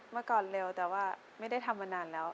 เมื่อก่อนเร็วแต่ว่าไม่ได้ทำมานานแล้ว